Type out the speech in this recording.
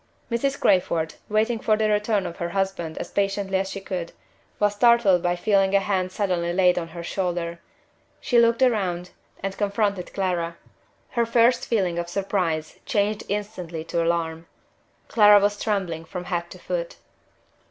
Mrs. Crayford, waiting for the return of her husband as patiently as she could, was startled by feeling a hand suddenly laid on her shoulder. She looked round, and confronted Clara. Her first feeling of surprise changed instantly to alarm. Clara was trembling from head to foot.